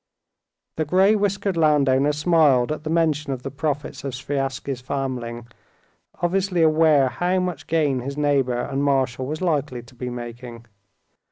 The gray whiskered landowner smiled at the mention of the profits of Sviazhsky's famling, obviously aware how much gain his neighbor and marshal was likely to be making.